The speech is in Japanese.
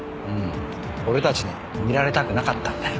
俺たちに見られたくなかったんだよ。